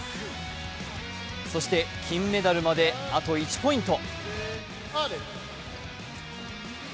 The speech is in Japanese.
そして金メダルまで、あと１ポイント。